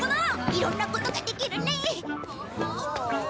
いろんなことができるね。